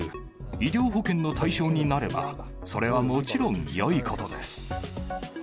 医療保険の対象になれば、それはもちろんよいことです。